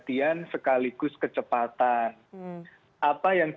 ini sebetulnya proses